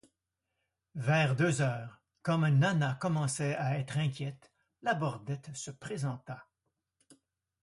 Vers deux heures, comme Nana commençait à être inquiète, Labordette se présenta.